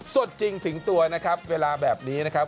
สดจริงถึงตัวนะครับเวลาแบบนี้นะครับ